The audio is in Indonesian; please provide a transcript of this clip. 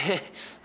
cuman sekarang deh